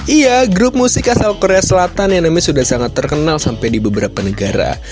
iya grup musik asal korea selatan yang namanya sudah sangat terkenal sampai di beberapa negara